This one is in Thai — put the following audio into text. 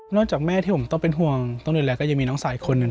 จากแม่ที่ผมต้องเป็นห่วงต้องดูแลก็ยังมีน้องสาวอีกคนหนึ่ง